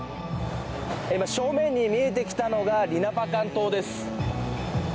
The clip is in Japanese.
正面に見えてきたのがリナパカン島です。